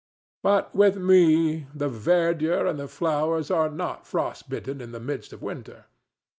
But with me the verdure and the flowers are not frost bitten in the midst of winter.